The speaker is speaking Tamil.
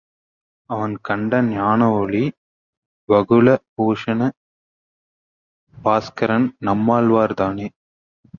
அவர் கண்ட ஞானஒளி, வகுள பூஷண பாஸ்கரன் நம்மாழ்வார்தானே?